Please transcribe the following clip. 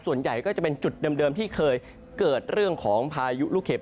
ส่วนใหญ่ก็จะเป็นจุดเดิมที่เคยเกิดเรื่องของพายุลูกเห็บ